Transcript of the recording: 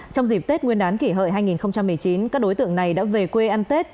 trong dịp tết nguyên đán kỷ hợi hai nghìn một mươi chín các đối tượng này đã về quê ăn tết